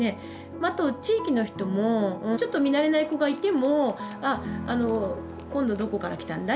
あと地域の人もちょっと見慣れない子がいても「ああ今度どこから来たんだい？」